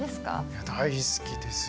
いや大好きです。